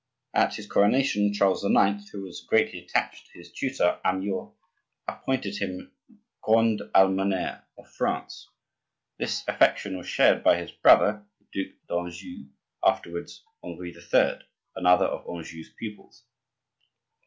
At his coronation, Charles IX., who was greatly attached to his tutor Amyot, appointed him grand almoner of France. This affection was shared by his brother the Duc d'Anjou, afterwards Henri III., another of Anjou's pupils.